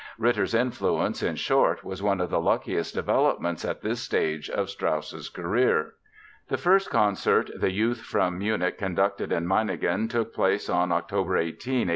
Ritter's influence, in short, was one of the luckiest developments at this stage of Strauss's career. The first concert the youth from Munich conducted in Meiningen took place on October 18, 1885.